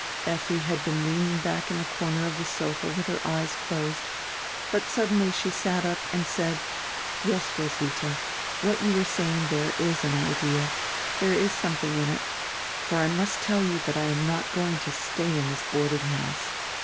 Effi had been leaning back in the corner of the sofa with her eyes closed, but suddenly she sat up and said: "Yes, Roswitha, what you were saying there is an idea, there is something in it. For I must tell you that I am not going to stay in this boarding house.